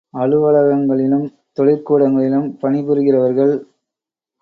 அலுவலகங்களிலும் தொழிற் கூடங்களிலும் பணிபுரிகிறவர்கள்.